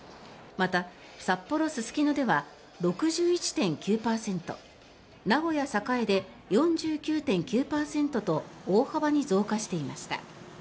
また、札幌・すすきのでは６１．９％名古屋・栄で４９．９％と大幅に増加していました。